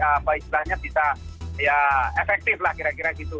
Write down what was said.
apa istilahnya bisa ya efektif lah kira kira gitu